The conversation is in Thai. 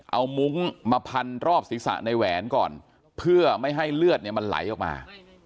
เอามุ้งมาพันรอบศีรษะในแหวนก่อนเพื่อไม่ให้เลือดเนี่ยมันไหลออกมา